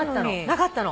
なかったの。